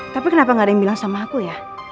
tapi kenapa gak ada yang bilang sama aku ya